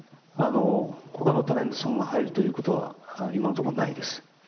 他のタレントさんが入るということは今のところないです。